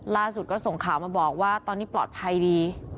ล่าสุดก็ส่งข่าวมาบอกว่าตอนนี้ปลอดภัยดี